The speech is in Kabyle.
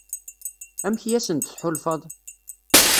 Amek i asent-tḥulfaḍ?